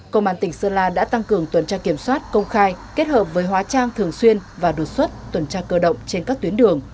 công an tỉnh sơn la đã tăng cường tuần tra kiểm soát công khai kết hợp với hóa trang thường xuyên và đột xuất tuần tra cơ động trên các tuyến đường